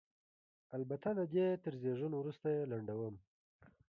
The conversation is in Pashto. البته د دې تر زېږون وروسته یې لنډوم.